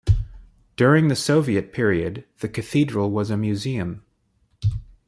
During the Soviet period, the cathedral was a museum.